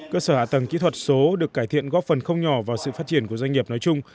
cơ sở hạ tầng kỹ thuật số được cải thiện góp phần không nhỏ vào sự phát triển của doanh nghiệp nói chung